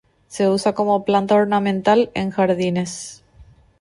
Se usa como planta ornamental en jardines.